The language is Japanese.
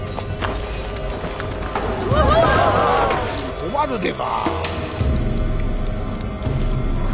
困るでば